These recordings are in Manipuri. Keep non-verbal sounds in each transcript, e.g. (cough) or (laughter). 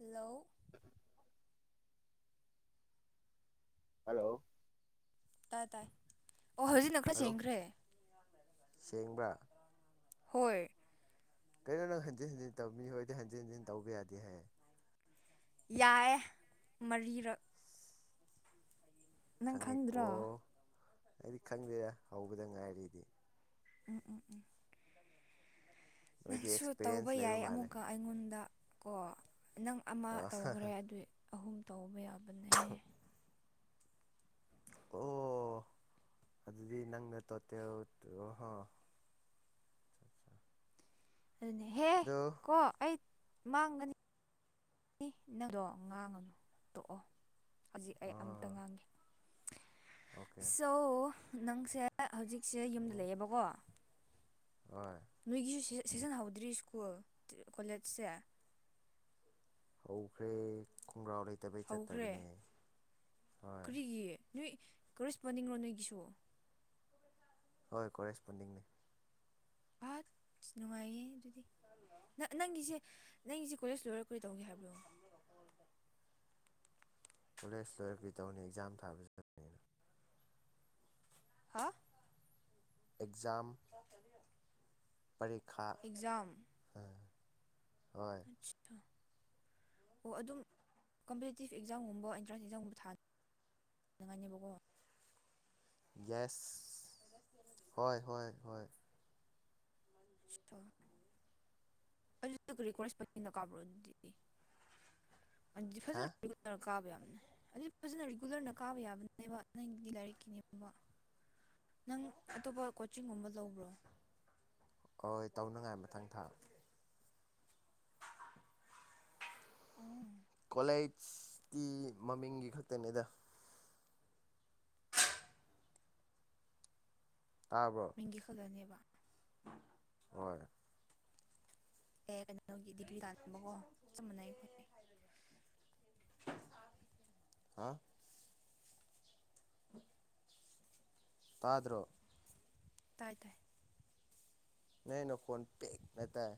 ꯍꯜꯂꯣ ꯍꯜꯂꯣ ꯇꯥꯏ ꯇꯥꯏ ꯑꯣ ꯍꯧꯖꯤꯛꯅ ꯈꯔ ꯍꯜꯂꯣ ꯁꯦꯡꯈ꯭ꯔꯦ ꯁꯦꯡꯕ꯭ꯔꯥ ꯍꯣꯏ ꯀꯩꯅꯣ ꯅꯪ ꯍꯟꯖꯤꯟꯖꯤꯟ ꯇꯧ ꯃꯤ ꯍꯣꯏꯔꯗꯤ ꯍꯟꯖꯤꯟ ꯍꯟꯖꯤꯟ ꯇꯧꯕ ꯌꯥꯗꯦ ꯍꯥꯏꯌꯦ ꯌꯥꯏꯌꯦ ꯃꯔꯤꯔꯛ ꯅꯪ ꯈꯪꯉꯦꯀꯣ ꯈꯪꯗ꯭ꯔꯣ ꯑꯩꯗꯤ ꯈꯪꯗꯦ ꯍꯧꯕꯗ ꯉꯥꯏꯔꯤ ꯑꯩꯗꯤ ꯎꯝ ꯎꯝ ꯎꯝ ꯅꯣꯏꯗꯤ ꯅꯪꯁꯨ ꯇꯧꯕ ꯑꯦꯛꯁꯄꯤꯔꯤꯌꯦꯟꯁ ꯂꯩꯕ ꯌꯥꯏ ꯃꯥꯜꯂꯦ ꯑꯃꯨꯛꯀ ꯑꯩꯉꯣꯟꯗ ꯀꯣ ꯅꯪ ꯑꯃ ꯇꯧꯈ꯭ꯔꯦ ꯑꯗꯨꯏ ꯑꯍꯨꯝ ꯇꯧꯕ ꯌꯥ (unintelligible) ꯑꯣ ꯑꯗꯨꯗꯤ ꯅꯪꯅ ꯇꯣꯇꯦꯜ ꯇ ꯍꯣ ꯑꯗꯨꯅꯦꯍꯦ ꯑꯗꯣ ꯀꯣ ꯑꯩ ꯃꯥꯡꯒꯅꯤ ꯅꯪꯗꯣ ꯉꯥꯡꯉꯅꯨ ꯇꯣꯛꯑꯣ ꯍꯧꯖꯤꯛ ꯑꯩ ꯑꯝꯇ ꯑꯥ ꯉꯥꯡꯒꯦ ꯑꯣꯀꯦ ꯁꯣ ꯅꯪꯁꯦ ꯑ ꯍꯧꯖꯤꯛꯁꯦ ꯌꯨꯝꯗ ꯂꯩꯌꯦꯕꯀꯣ ꯍꯣꯢ ꯅꯣꯏꯒꯤꯁꯨ ꯁꯦꯁꯟ ꯁꯦꯁꯟ ꯍꯧꯗ꯭ꯔꯤ ꯁ꯭ꯀꯨꯜ ꯀꯣꯂꯦꯖ ꯖꯦ ꯍꯧꯈ꯭ꯔꯦ ꯈꯣꯡꯒ꯭ꯔꯥꯎ ꯂꯩꯇꯕꯩ ꯍꯧꯈ꯭ꯔꯦ ꯆꯠꯇꯕꯅꯦ ꯍꯣꯏ ꯀꯔꯤꯒꯤ ꯅꯣꯏ ꯀꯔꯦꯁꯄꯣꯟꯗꯤꯡꯔꯣ ꯅꯣꯏꯒꯤꯁꯨ ꯍꯣꯏ ꯀꯣꯔꯦꯁꯄꯣꯟꯗꯤꯡꯅꯤ ꯑꯁ ꯅꯨꯡꯉꯥꯏꯌꯦ ꯗꯨꯗꯤ ꯅ ꯅꯪꯒꯤꯁꯦ ꯅꯪꯒꯤꯁꯦ ꯀꯣꯂꯦꯖ ꯂꯣꯏꯔꯒ ꯀꯩꯇꯧꯒꯦ ꯍꯥꯏꯕ꯭ꯔꯣ ꯀꯣꯂꯦꯖ ꯂꯣꯏꯔ ꯀꯩꯗꯧꯅꯤ ꯑꯦꯛꯖꯥꯝ ꯊꯥꯕ ꯆꯠꯄꯅꯤꯅ ꯍꯥ ꯑꯦꯛꯖꯥꯝ ꯄꯔꯤꯈꯥ ꯑꯦꯛꯖꯥꯝ ꯑ ꯍꯣꯏ ꯁꯨꯠ ꯑ ꯑꯣ ꯑꯗꯨꯝ ꯀꯝꯄꯤꯇꯤꯞ ꯑꯦꯛꯖꯥꯝꯒꯨꯝꯕ ꯑꯦꯟꯇ꯭ꯔꯥꯟꯁ ꯑꯦꯛꯖꯥꯝꯒꯨꯝꯕ ꯊꯥꯗ ꯗꯉꯥꯏꯅꯦꯕꯀꯣ ꯌꯦꯁ ꯍꯣꯏ ꯍꯣꯏ ꯍꯣꯢ ꯑꯩꯖꯨ (unintelligible) ꯑꯟꯖꯤ ꯍꯥ ꯐꯖꯟ (unintelligible) ꯀꯥꯕ ꯌꯥꯕꯅꯦ ꯑꯗꯨꯏ ꯐꯖꯅ ꯔꯤꯒꯨꯂꯔꯅ ꯀꯥꯕ ꯌꯥꯕꯅꯦꯕ ꯅꯪꯒꯤꯗꯤ ꯂꯥꯏꯔꯤꯛꯀꯤꯅꯦꯕ ꯅꯪ ꯑꯇꯣꯞꯄ ꯀꯣꯆꯤꯡꯒꯨꯝꯕ ꯂꯧꯕ꯭ꯔꯣ ꯍꯣꯏ ꯇꯧꯅꯉꯥꯏ ꯃꯊꯪ ꯊꯥ ꯎꯝ ꯀꯣꯂꯦꯖꯇꯤ ꯃꯃꯤꯡꯒꯤ ꯈꯛꯇꯅꯤꯗ ꯇꯥꯕ꯭ꯔꯣ ꯒꯤ ꯈꯜꯂꯅꯦꯕ ꯍꯣꯏ ꯑꯦ ꯀꯩꯅꯣꯒꯤ ꯗꯤꯒ꯭ꯔꯤ ꯇꯥꯟꯅꯤꯡꯅꯕꯀꯣ ꯆꯞ ꯃꯥꯟꯅꯩ ꯑꯩꯈꯣꯏ ꯍꯥ ꯇꯥꯗ꯭ꯔꯣ ꯇꯥꯏ ꯇꯥꯢ ꯅꯩ ꯅꯈꯣꯟ ꯄꯤꯛꯅ ꯇꯥꯏ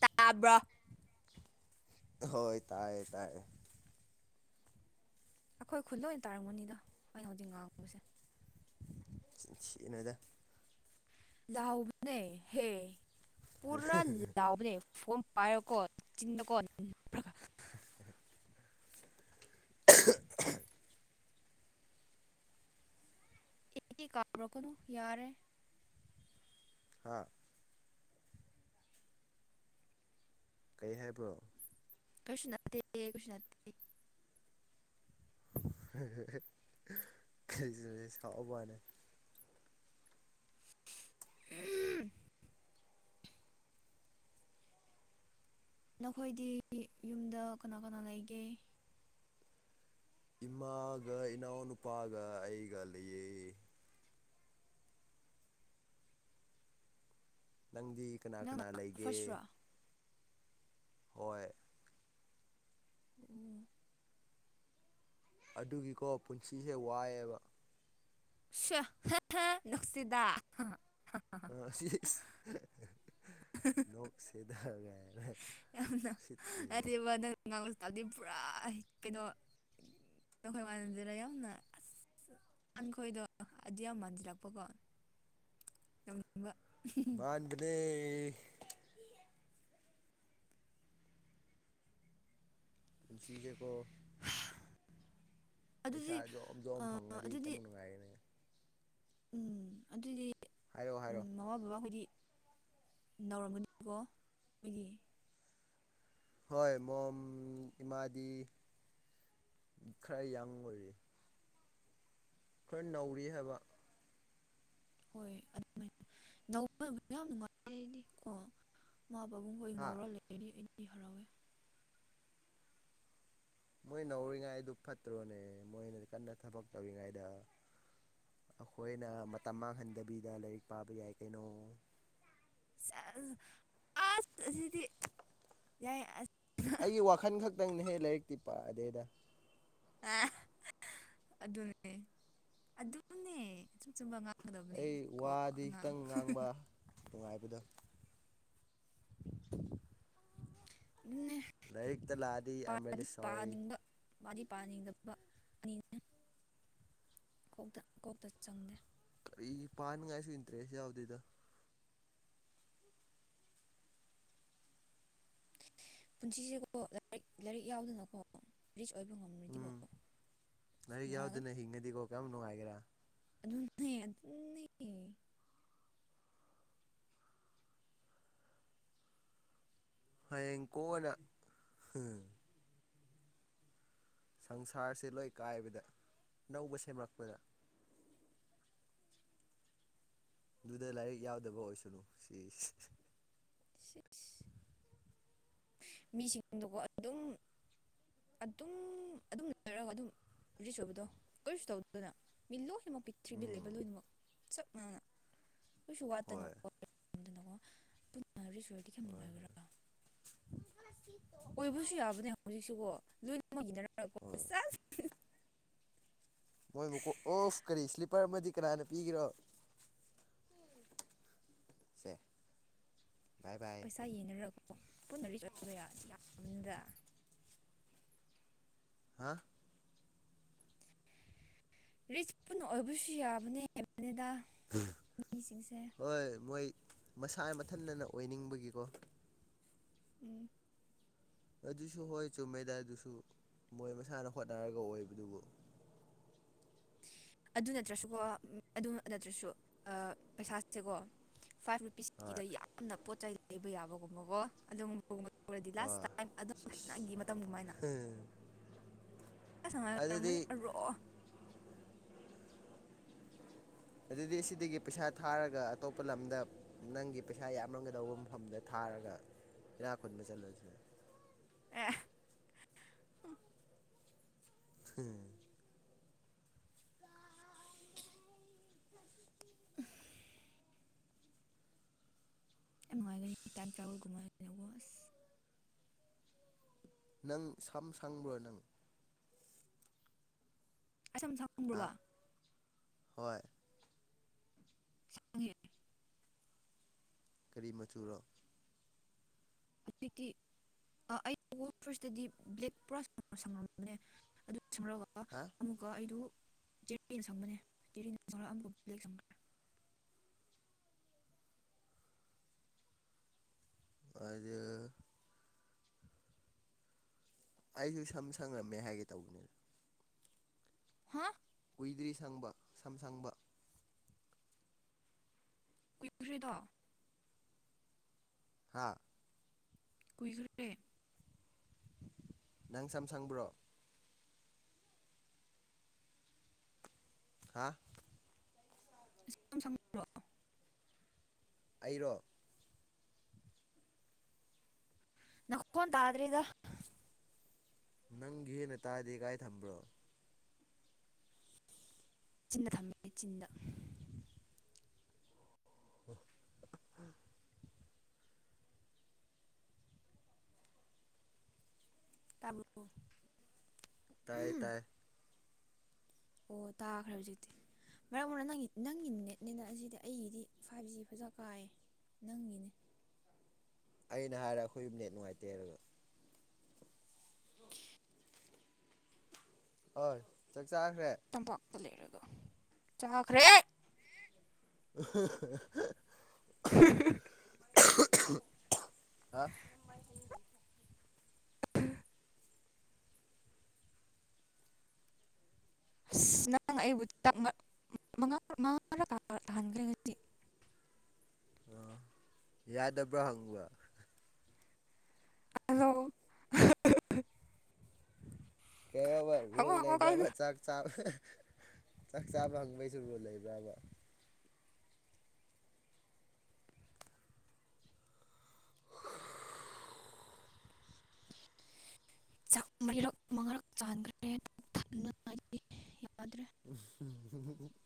ꯇꯥꯕ꯭ꯔꯣ ꯍꯣꯏ ꯇꯥꯏꯌꯦ ꯇꯥꯏꯌꯦ ꯑꯈꯣꯏ ꯈꯨꯜ ꯂꯣꯏ ꯇꯥꯔꯝꯒꯅꯤꯗ ꯑꯩꯅ ꯍꯧꯖꯤꯛ ꯉꯥꯡꯕꯁꯦ ꯅꯆꯤꯟ ꯊꯤꯅꯨꯗ ꯂꯥꯎꯕꯅꯦ ꯍꯦ ꯄꯨꯔꯥ ꯂꯥꯎꯕꯅꯦ ꯐꯣꯝ ꯄꯥꯏꯌꯣꯀꯣ ꯆꯤꯡ ꯗ ꯀꯣꯟ (unintelligible) ꯏ ꯏ ꯀꯥꯔꯛꯀꯅꯨ ꯌꯥꯔꯦ ꯍꯥꯥ ꯀꯩ ꯍꯥꯏꯕ꯭ꯔꯣ ꯀꯩꯁꯨ ꯅꯠꯇꯦ ꯀꯩꯁꯨ ꯅꯠꯇꯦ ꯁꯤꯁꯇꯔꯁꯦ ꯁꯥꯎꯕ꯭ꯋꯥꯅꯦ ꯅꯈꯣꯏꯗꯤ ꯌꯨꯝꯗ ꯀꯅꯥ ꯀꯅꯥ ꯂꯩꯒꯦ ꯏꯃꯥꯒ ꯏꯅꯥꯎꯅꯨꯄꯥꯒ ꯑꯩꯒ ꯂꯩꯌꯦ ꯅꯪꯗꯤ ꯀꯅꯥ ꯅꯪꯅ ꯀꯅꯥ ꯂꯩꯒꯦ ꯐꯥꯔꯁꯔꯣ ꯍꯣꯏ ꯑꯣ ꯑꯗꯨꯒꯤꯀꯣ ꯄꯨꯟꯁꯤꯁꯦ ꯋꯥꯏꯑꯦꯕ ꯁꯦ ꯍꯦꯍꯦ ꯅꯨꯡꯁꯤꯗꯥ (unintelligible) ꯂꯣꯛꯁꯤꯗ ꯒꯥꯏ ꯌꯥꯝꯅ ꯍꯥꯏꯗꯤꯕ ꯅꯪ ꯉꯥꯡꯕꯁꯨ ꯇꯥꯗꯤ ꯄꯨꯔꯥ ꯍꯤ ꯀꯩꯅꯣ (unintelligible) ꯑꯈꯣꯏꯗꯣ ꯑꯗꯨ ꯌꯥꯝ ꯃꯥꯟꯖꯤꯜꯂꯛꯄꯀꯣ ꯇꯧꯅꯤꯡꯕ ꯃꯥꯥꯟꯕꯅꯦ ꯄꯨꯟꯁꯤꯁꯦ ꯀꯣ ꯑꯗꯨꯗꯤ ꯄꯩꯁꯥ ꯖꯣꯝ ꯖꯣꯝ ꯑꯥ ꯐꯪꯉꯗꯤ ꯑꯗꯨꯗꯤ ꯀ꯭ꯌꯥꯝꯃꯨꯛ ꯅꯨꯡꯉꯥꯏꯒꯅꯤ꯫ ꯎꯝ ꯑꯗꯨꯗꯤ ꯍꯥꯏꯔꯛꯑꯣ ꯍꯥꯏꯔꯣ ꯎꯝ ꯃꯃꯥ ꯕꯕꯥ ꯍꯣꯏꯗꯤ ꯅꯧꯔꯝꯒꯅꯤꯅꯤꯀꯣ ꯃꯣꯏꯒꯤ ꯍꯣꯏ ꯃꯣꯝ ꯏꯃꯥꯗꯤ ꯈꯔ ꯌꯥꯡ ꯑꯣꯏꯔꯤ꯫ ꯈꯔ ꯅꯧꯔꯤ ꯍꯥꯏꯕ꯫ ꯍꯣꯏ ꯑꯗꯨꯃꯥꯏꯅ ꯅꯧꯕꯕꯨꯗꯤ ꯌꯥꯝ ꯅꯨꯡꯉꯥꯏꯗꯤ ꯀꯣ ꯃꯥ ꯄꯥꯕꯨꯡ ꯈꯣꯏ ꯍꯥ ꯅꯧꯔꯥ ꯂꯩꯔꯗꯤ ꯑꯩꯗꯤ ꯍꯔꯥꯎꯋꯦ ꯃꯣꯏ ꯅꯧꯔꯤꯉꯥꯏꯗꯨ ꯐꯠꯇ꯭ꯔꯣꯅꯦ ꯃꯣꯏꯅ ꯀꯟꯅ ꯊꯕꯛ ꯇꯧꯔꯤꯉꯥꯏꯗ ꯑꯈꯣꯏꯅ ꯃꯇꯝ ꯃꯥꯡꯍꯟꯗꯕꯤꯗ ꯂꯥꯏꯔꯤꯛ ꯄꯥꯕ ꯌꯥꯏ ꯀꯩꯅꯣ꯫ ꯁꯦꯁ ꯑꯥꯁ ꯑꯁꯤꯗꯤ ꯌꯥꯏ ꯑꯁ ꯑꯩꯒꯤ ꯋꯥꯈꯜ ꯈꯛꯇꯪꯅꯦꯍꯦ ꯂꯥꯏꯔꯤꯛꯇꯤ ꯄꯥꯑꯗꯦꯗ꯫ ꯑꯥ ꯑꯗꯨꯅꯦ ꯑꯗꯨꯅꯦ ꯆꯨꯝ ꯆꯨꯝꯕ ꯉꯥꯡ ꯑꯩ ꯋꯥꯗꯤ ꯈꯤꯇꯪ ꯉꯥꯡꯕ ꯅꯨꯡꯉꯥꯏꯕꯗꯣ ꯑꯗꯨꯅꯦ ꯂꯥꯏꯔꯤꯛꯛꯇ ꯂꯥꯛꯑꯗꯤ ꯑꯥꯏ ꯑꯦꯝ ꯔꯦꯂꯤ ꯄꯥꯗꯤ ꯁꯣꯔꯤ꯫ ꯄꯥꯅꯤꯡꯕ ꯄꯥꯗꯤ ꯄꯥꯅꯤꯡꯗꯕ ꯅꯤꯅꯦ ꯀꯣꯛꯇ ꯀꯣꯛꯇ ꯆꯪꯗꯦ꯫ ꯀꯔꯤ ꯄꯥꯅꯤꯉꯥꯏꯁꯨ ꯏꯟꯇ꯭ꯔꯦꯁ ꯌꯥꯎꯗꯦꯗ꯫ ꯄꯨꯟꯁꯤꯁꯦꯀꯣ ꯂꯥꯏꯔꯤꯛ ꯂꯥꯏꯔꯤꯛ ꯌꯥꯎꯗꯅꯀꯣ ꯔꯤꯆ ꯑꯣꯏꯕ ꯉꯝ ꯎꯝ ꯂꯥꯏꯔꯤꯛ ꯌꯥꯎꯗꯅ ꯍꯤꯡꯉꯗꯤꯀꯣ ꯀꯌꯥꯝ ꯅꯨꯡꯉꯥꯏꯒꯦꯔꯥ꯫ ꯑꯗꯨ ꯅꯦ ꯑꯗꯨꯝ ꯅꯦ ꯍꯌꯦꯡ ꯀꯣꯟꯅ ꯍꯨꯝ ꯁꯪꯁꯥꯔꯁꯦ ꯂꯣꯏ ꯀꯥꯏꯕꯗ ꯑꯅꯧꯕ ꯁꯦꯝꯔꯛꯄꯗ ꯑꯗꯨꯗ ꯂꯥꯏꯔꯤꯛ ꯌꯥꯎꯗꯕ ꯑꯣꯏꯁꯅꯨ ꯁꯤꯁ ꯁꯤ ꯃꯤꯁꯤꯡꯗꯨꯀꯣ ꯑꯗꯨꯝ ꯑꯗꯨꯝ ꯑꯗꯨꯝ ꯂꯩꯔꯒ ꯑꯗꯨꯝ ꯔꯤꯆ ꯑꯣꯏꯕꯗꯣ ꯀꯔꯤꯁꯨ ꯇꯧꯗꯅ ꯃꯤ ꯂꯣꯏ ꯂꯣꯏꯅꯃꯛ ꯄꯤꯔꯤꯊ꯭ꯤꯕꯤ ꯂꯩꯕ ꯎꯝ ꯂꯣꯏꯅꯃꯛ ꯆꯞ ꯃꯥꯟꯅꯅ ꯀꯩꯁꯨ ꯍꯣꯏ ꯋꯥꯠꯇꯅꯀꯣ ꯑꯗꯨꯅꯀꯣ ꯄꯨꯟꯅꯔꯤꯁ ꯑꯣꯏꯔꯗꯤ ꯀꯌꯥꯝ ꯍꯣꯏ ꯅꯨꯡꯉꯥꯏꯒꯦꯔꯥ꯫ (unintelligible) ꯑꯣꯏꯕꯁꯨ ꯌꯥꯕꯅꯦ ꯍꯧꯖꯤꯛꯁꯤꯀꯣ ꯂꯣꯏꯅꯃꯛ ꯏꯅꯔꯒꯀꯣ ꯍꯣꯏ ꯁꯦꯁ ꯃꯣꯏ ꯃꯀꯣꯛ ꯑꯣꯐ ꯀꯔꯤ ꯁ꯭ꯂꯤꯞꯄꯔ ꯑꯃꯗꯤ ꯀꯅꯥꯅ ꯄꯤꯒꯦꯔꯣ ꯁꯦ ꯕꯥꯏ ꯕꯥꯏ ꯄꯩꯁꯥ ꯌꯦꯟꯅꯔꯀꯣ ꯄꯨꯟꯅ ꯔꯤꯖ ꯑꯣꯏꯕ ꯌꯥ (unintelligible) ꯌꯥꯝꯕꯅꯤꯗ ꯍꯥ ꯔꯤꯆ ꯄꯨꯟꯅ ꯑꯣꯏꯕꯨꯁ ꯌꯥꯕꯅꯤ ꯍꯥꯏꯕꯅꯤꯗ꯫ ꯃꯤꯁꯤꯡꯁꯦ ꯍꯣꯏ ꯃꯣꯏ ꯃꯁꯥ ꯃꯊꯟꯇꯅ ꯑꯣꯏꯅꯤꯡꯕꯒꯤꯀꯣ꯫ ꯎꯝ ꯑꯗꯨꯁꯨ ꯍꯣꯏ ꯆꯨꯝꯃꯦꯗ ꯑꯗꯨꯁꯨ ꯃꯣꯏ ꯃꯁꯥꯅ ꯍꯣꯠꯅꯔꯒ ꯑꯣꯏꯕꯗꯨꯕꯨ ꯑꯗꯨ ꯅꯠꯇ꯭ꯔꯥꯁꯨꯀꯣ ꯑꯝ ꯑꯗꯨ ꯅꯠꯇ꯭ꯔꯥꯁꯨ ꯑ ꯄꯩꯁꯥ ꯁꯦꯀꯣ ꯐꯥꯏꯚ ꯔꯨꯄꯤꯁꯀꯤꯗ ꯍꯣꯏ ꯌꯥꯝꯅ ꯄꯣꯠꯆꯩ ꯂꯩꯕ ꯌꯥꯕꯒꯨꯝꯕꯀꯣ ꯑꯗꯨꯝꯒꯨꯝꯕ (unintelligible) ꯇꯧꯔꯗꯤ ꯂꯥꯁ ꯇꯥꯏꯝ ꯑꯗꯨꯝ ꯊꯥꯢꯅꯒꯤ ꯃꯇꯝ ꯗꯨꯃꯥꯏꯅ ꯎꯝ ꯑꯥ ꯁꯉꯥꯏ ꯑꯣꯏꯔꯝꯒꯅꯤ ꯑꯔꯣꯑꯣ ꯑꯗꯨꯗꯤ ꯁꯤꯗꯒꯤ ꯄꯩꯁꯥ ꯊꯥꯔꯒ ꯑꯇꯣꯞꯄ ꯂꯝꯗ ꯅꯪꯒꯤ ꯄꯩꯁꯥ ꯌꯥꯝꯔꯝꯒꯗꯧꯕ ꯃꯐꯝꯗ ꯊꯥꯔꯒ ꯏꯅꯥꯛ ꯈꯨꯨꯟꯕ ꯆꯠꯂꯁꯦ ꯑꯦ ꯍꯨꯡ ꯍꯝ ꯌꯥꯝ ꯅꯨꯡꯉꯥꯏꯒꯅꯤ ꯢ ꯇꯥꯏꯝ ꯇ꯭ꯔꯥꯕꯦꯜꯒꯨꯝꯃꯥꯢꯅꯀꯣ (unintelligible) ꯑꯁ ꯅꯪ ꯁꯥꯝ ꯁꯪꯕ꯭ꯔꯣ ꯅꯪ (unintelligible) (unintelligible) ꯑꯥ ꯍꯣꯏ (unintelligible) ꯀꯥꯔꯤ ꯃꯆꯨꯔꯣ (unintelligible) ꯑꯥ ꯑꯩ ꯄꯨ ꯐꯥꯔꯁꯇꯗꯤ ꯕ꯭ꯂꯦꯛ ꯄ꯭ꯔꯥꯁ ꯁꯪꯉꯝꯕꯅꯦ ꯑꯗꯨ ꯁꯝꯔꯒ ꯑꯥ ꯍꯥ ꯑꯃꯨꯛꯀ ꯑꯩꯗꯨ ꯆꯦꯔꯤꯟ ꯁꯪꯕꯅꯦ ꯆꯦꯔꯤꯟ ꯁꯪꯔ ꯑꯃꯨꯛꯀ ꯕ꯭ꯂꯦꯛ ꯁꯪꯕ (unintelligible) ꯑꯗꯨ (unintelligible) ꯑꯩꯁꯨ ꯁꯝ ꯁꯪꯉꯝꯃꯦ ꯍꯥꯏꯒꯦ ꯇꯧꯕꯅꯦ ꯍꯥ ꯀꯨꯏꯗ꯭ꯔꯤ ꯁꯪꯕ ꯁꯝ ꯁꯪꯕ ꯀꯨꯏꯗ꯭ꯔꯤꯗ ꯍꯥꯥ ꯀꯨꯏꯗ꯭ꯔꯤꯔꯤ ꯅꯪ ꯁꯝ ꯁꯪꯕ꯭ꯔꯣ ꯍꯥ (unintelligible) ꯑꯩꯔꯣ ꯅꯈꯣꯟ ꯇꯥꯗ꯭ꯔꯦꯗ ꯅꯪꯒꯤ ꯍꯦꯟꯅ ꯇꯥꯗꯦ ꯀꯥꯏ ꯊꯝꯕ꯭ꯔꯣ ꯆꯤꯟꯗ ꯊꯝꯃꯦ ꯑꯩ ꯆꯤꯟꯗ (unintelligible) ꯇꯥꯕ꯭ꯔꯣ ꯑꯣ ꯇꯥꯏꯌꯦ ꯇꯥꯏ ꯑꯣ ꯇꯥꯈ꯭ꯔꯦ ꯍꯧꯖꯤꯛꯇꯤ ꯃꯔꯛ ꯃꯔꯛ ꯅꯪꯒꯤ ꯅꯪꯒꯤ ꯅꯦꯠꯅꯦꯅ ꯑꯁꯤꯗꯤ ꯑꯩꯒꯤꯗꯤ ꯐꯥꯏꯚ ꯖꯤ ꯐꯖ ꯀꯥꯏꯌꯦ ꯅꯪꯒꯤꯅꯦ ꯑꯩꯅ ꯍꯥꯏꯔꯦ ꯑꯩꯈꯣꯏ ꯌꯨꯝ ꯅꯦꯠ ꯅꯨꯡꯉꯥꯏꯇꯦ ꯍꯥꯏꯔꯒ ꯍꯣꯏ ꯆꯥꯛ ꯆꯥꯈ꯭ꯔꯦ ꯇꯝꯄꯥꯛꯇ ꯂꯩꯔꯒ ꯆꯥꯈ꯭ꯔꯦ (unintelligible) (unintelligible) ꯍꯥ (inaudible) ꯑ ꯌꯥꯗꯕ꯭ꯔꯥ ꯍꯪꯕ ꯑꯜꯂꯣ ꯀꯩꯔꯣꯕ ꯍꯪꯉꯣ ꯔꯨꯜ ꯍꯪꯉꯣ ꯀꯥꯏꯗꯦ ꯂꯩꯕ꯭ꯔꯕ ꯆꯥꯛ ꯆꯥꯛ ꯆꯥꯛ ꯆꯥꯕ ꯍꯪꯕꯩꯁꯨ ꯔꯨꯜ ꯂꯩꯕ꯭ꯔꯥꯕ (inaudible) ꯆꯥꯛ ꯃꯔꯤꯔꯛ ꯃꯉꯥꯔꯛ ꯆꯟꯈ꯭ꯔꯦ (unintelligible) ꯌꯥꯗ꯭ꯔꯦ (unintelligible)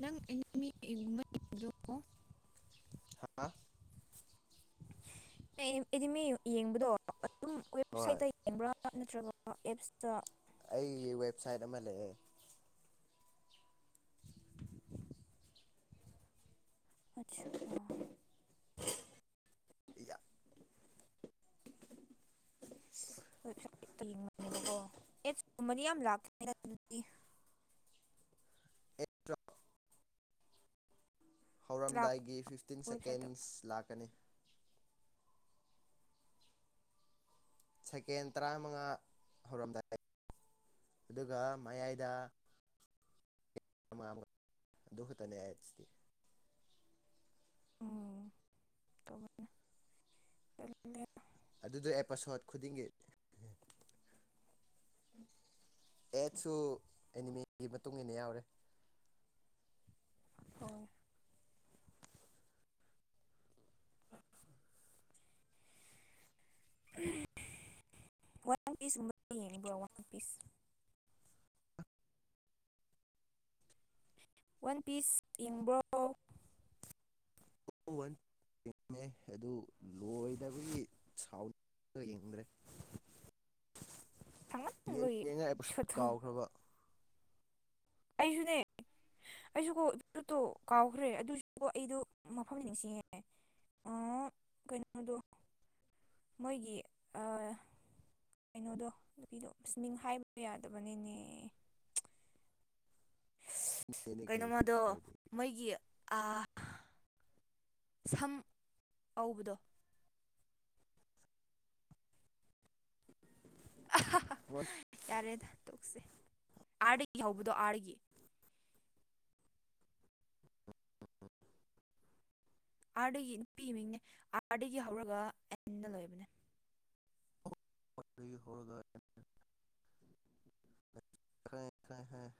ꯅꯪ (unintelligible) ꯃꯤ (unintelligible) (unintelligible) ꯍꯥꯥ (unintelligible) ꯑꯩꯗꯤ ꯃꯤ ꯌꯦꯡꯕꯗꯣ ꯑꯗꯨꯝ ꯍꯣꯏ ꯋꯦꯕꯁꯥꯢꯠꯇ ꯌꯦꯡꯕ꯭ꯔꯥ ꯅꯠꯇ꯭ꯔꯒ ꯑꯦꯕꯁꯇ ꯑꯩꯒꯤ ꯋꯦꯕꯁꯥꯏꯠ ꯑꯃ ꯂꯩꯌꯦ ꯑꯠꯁꯥ ꯑꯣ ꯢꯌꯥ (inaudible) (unintelligible) ꯌꯦꯡꯕꯅꯦꯕꯀꯣ ꯑꯦꯗꯁ ꯀꯨꯝꯕꯗꯤ ꯌꯥꯝ ꯂꯥꯛ (unintelligible) (unintelligible) ꯂꯥꯛꯄ ꯍꯧꯔꯝꯗꯥꯏꯒꯤ ꯐꯤꯐꯇꯤꯟ ꯋꯦꯕꯁꯥꯏꯠꯇ ꯁꯦꯀꯦꯟꯁ ꯂꯥꯛꯀꯅꯤ ꯁꯦꯀꯦꯟ ꯇꯔꯥꯃꯉꯥ ꯍꯧꯔꯝꯗꯥꯏ ꯑꯗꯨꯒ ꯃꯌꯥꯏꯗ ꯑꯃ (unintelligible) ꯑꯗꯨ ꯈꯇꯅꯦ ꯑꯦꯠꯁꯇꯤ ꯎꯝ (unintelligible) ꯑꯗꯨꯗ ꯑꯦꯄꯥꯁꯣꯠ ꯈꯨꯗꯤꯡꯒꯤ ꯑꯦꯠꯁꯨ ꯑꯦꯅꯤꯃꯦꯒꯤ ꯃꯇꯨꯡ ꯏꯟꯅ ꯌꯥꯎꯔꯦ ꯍꯣꯏ (unintelligible) ꯄꯤꯁ ꯋꯥꯟ ꯄꯤꯁ ꯌꯦꯡꯕ꯭ꯔꯣ ꯎꯋꯟ ꯌꯦꯡꯉꯝꯃꯦ ꯑꯗꯨ ꯂꯣꯏꯗꯕꯒꯤ ꯁꯥꯎ (unintelligible) ꯌꯦꯡꯗ꯭ꯔꯦ ꯌꯦꯡ ꯁꯥꯡꯃꯟꯕꯒꯤ ꯌꯦꯡꯉ ꯑꯦꯄꯤꯁꯣꯠ ꯑꯦꯄꯤꯁꯣꯠꯇꯣ ꯀꯥꯎꯈ꯭ꯔꯕ ꯑꯩꯁꯨꯅꯦ ꯑꯩꯁꯨꯀꯣ (unintelligible) ꯀꯥꯎꯈ꯭ꯔꯦ ꯑꯗꯨꯁꯨ ꯑꯩꯗꯨ ꯃꯐꯝꯗꯤ ꯅꯤꯡꯁꯤꯡꯉꯦ ꯑ ꯀꯩꯅꯣꯗꯨ ꯃꯣꯏꯒꯤ ꯑ ꯀꯩꯅꯣꯗꯣ ꯅꯨꯄꯤꯗꯣ ꯑꯁ ꯃꯤꯡ ꯍꯥꯏꯕ ꯌꯥꯗꯕꯅꯤꯅꯦ ꯀꯩꯁꯨ ꯀꯩꯅꯣꯝꯃꯗꯣ ꯀꯥꯏꯗꯦ ꯃꯣꯏꯒꯤ ꯑꯥ ꯁꯝ ꯑꯧꯕꯗꯣ (unintelligible) ꯋꯟ ꯌꯥꯔꯦꯗ ꯇꯣꯛꯁꯦ ꯑꯥꯔꯗꯒꯤ ꯍꯧꯕꯗꯣ ꯑꯥꯔꯗꯒꯤ ꯑꯥꯔꯗꯒꯤ ꯅꯨꯄꯤꯒꯤ ꯃꯤꯡꯅꯦ ꯑꯥꯔꯗꯒꯤ ꯍꯧꯔꯒ ꯑꯦꯟꯅ ꯂꯣꯏꯕꯅꯦ (unintelligible) ꯈꯪꯉꯦ ꯈꯪꯉꯦ ꯈꯪꯉꯦ